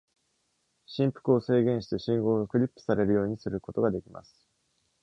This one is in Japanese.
振幅を制限して、信号がクリップされるようにすることができます。